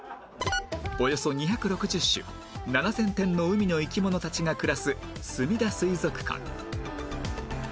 およそ２６０種７０００点の海の生き物たちが暮らすすみだ水族館